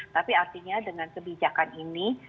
tapi artinya dengan kebijakan ini